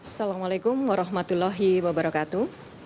assalamualaikum warahmatullahi wabarakatuh